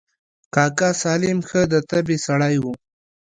کاکا سالم ښه د طبعې سړى و.